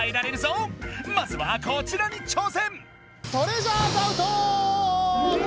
まずはこちらに挑戦！